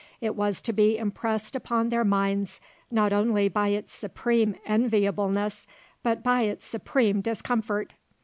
It was to be impressed upon their minds not only by its supreme enviableness but by its supreme discomfort.